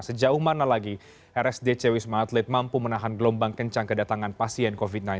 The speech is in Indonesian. sejauh mana lagi rsdc wisma atlet mampu menahan gelombang kencang kedatangan pasien covid sembilan belas